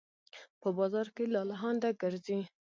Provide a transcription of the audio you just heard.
په بازار کې لالهانده ګرځي